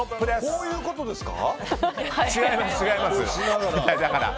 こういうことですか？